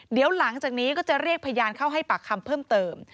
เดี๋ยวหลังจากนี้ก็จะเรียกพยานเข้าให้ปากคำเพิ่มเติม